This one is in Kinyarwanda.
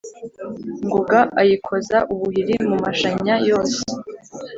ngoga ayikoza ubuhiri mu mashanya yose